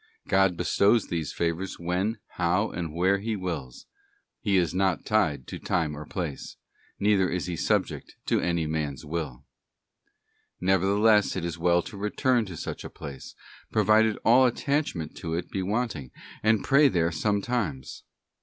God bestows these favours when, how, and where He wills; He is not tied to time or place, neither is He subject to any man's will. Nevertheless it is well to return to such a place, provided all attachment to it be wanting, and to pray there sometimes.